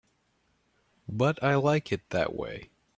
But I like it that way.